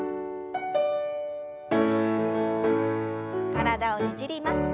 体をねじります。